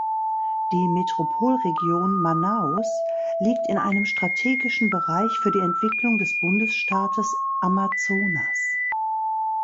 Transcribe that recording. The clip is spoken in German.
Die Metropolregion Manaus liegt in einem strategischen Bereich für die Entwicklung des Bundesstaates Amazonas.